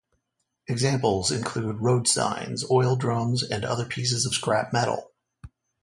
Examples include road signs, oil drums and other pieces of scrap metal.